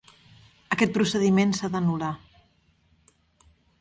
Aquest procediment s’ha d’anul·lar.